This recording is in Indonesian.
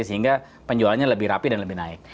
sehingga penjualannya lebih rapi dan lebih naik